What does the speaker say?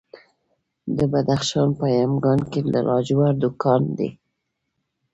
د بدخشان په یمګان کې د لاجوردو کان دی.